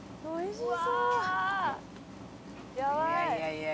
おいおい